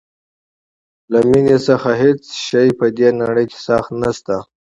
له مینې څخه هیڅ څیز په دې نړۍ کې سخت نشته.